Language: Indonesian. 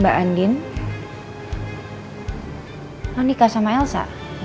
mbak andin sudah menikah sama elsa